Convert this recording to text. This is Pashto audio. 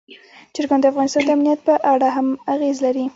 چرګان د افغانستان د امنیت په اړه هم اغېز لري.